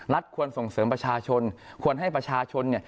รัฐควรส่งเสริมประชาชนควรให้ประชาชนเนี่ย